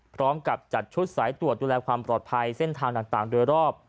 พร้อมกับจัดชุดสายตรวจดูแลความปลอดภัยเส้นทางต่างโดยรอบ